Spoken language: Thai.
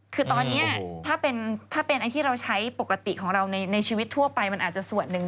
คือตอนนี้ถ้าเป็นอันที่เราใช้ปกติของเราในชีวิตทั่วไปมันอาจจะส่วนหนึ่ง